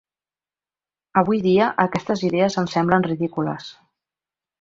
Avui dia aquestes idees ens semblen ridícules.